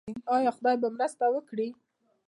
آیا خدای به مرسته وکړي؟